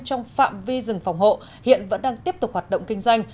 trong phạm vi rừng phòng hộ hiện vẫn đang tiếp tục hoạt động kinh doanh